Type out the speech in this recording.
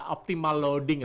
optimal loading lah